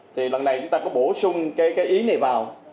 thì lần này chúng ta có bổ sung cái ý này vào